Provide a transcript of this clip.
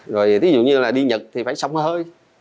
rồi ví dụ như là đi nhật thì phải sông hơi